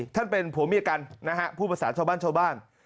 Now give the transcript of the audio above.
ท่านเป็นผู้มีอากันผู้ประสานชาวบ้าน